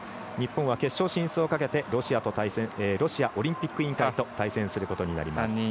日本は決勝進出をかけてロシアオリンピック委員会と対戦することになります。